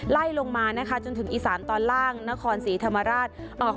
ไล่ลงมานะคะจนถึงอีสานตอนล่างนครศรีธรรมราชออก